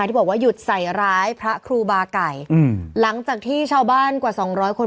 ที่บอกว่าหยุดใส่ร้ายพระครูบาไก่อืมหลังจากที่ชาวบ้านกว่าสองร้อยคน